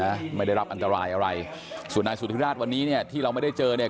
ไม่ได้รับอันตรายอะไรส่วนนายสุธิราชวันนี้เนี่ยที่เราไม่ได้เจอเนี่ย